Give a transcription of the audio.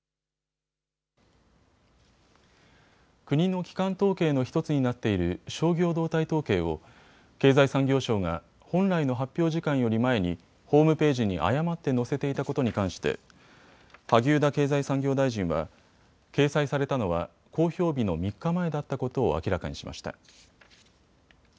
国の基幹統計の１つになっている商業動態統計を経済産業省が本来の発表時間より前にホームページに誤って載せていたことに関して萩生田経済産業大臣は掲載されたのは公表日の３日前だったことを明らかにしました。